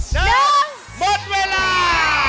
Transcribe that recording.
หมดเวลา